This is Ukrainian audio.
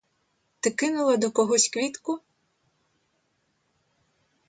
Ти кинула до когось квітку?